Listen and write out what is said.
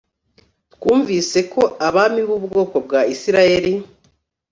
Twumvise ko abami b ubwoko bwa isirayeli